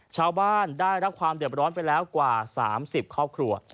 ชาวบ้านได้รับความเดือบร้อนไปแล้วกว่า๓๐ครอบครัว